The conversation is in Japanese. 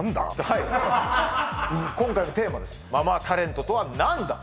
はい今回のテーマです「ママタレントとは何だ」